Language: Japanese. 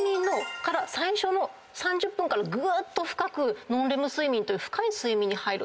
最初の３０分からぐーっと深くノンレム睡眠という深い睡眠に入る。